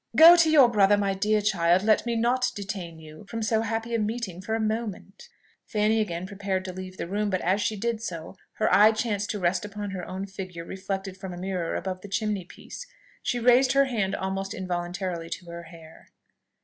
"Go to your brother, my dear child; let me not detain you from so happy a meeting for a moment." Fanny again prepared to leave the room; but as she did so, her eye chanced to rest upon her own figure reflected from a mirror above the chimney piece. She raised her hand almost involuntarily to her hair.